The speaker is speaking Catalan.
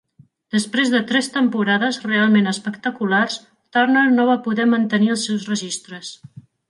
Després de tres temporades realment espectaculars, Turner no va poder mantenir els seus registres.